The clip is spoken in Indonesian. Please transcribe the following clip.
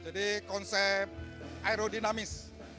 jadi konsep aerodinamis